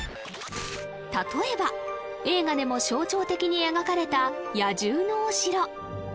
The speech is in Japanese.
例えば映画でも象徴的に描かれた野獣のお城